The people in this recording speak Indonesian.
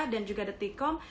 dan juga detik com